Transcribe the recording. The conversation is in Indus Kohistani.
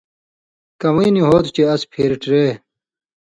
کوَیں نی ہو تُھو چے اس پھېرٹیۡرے۔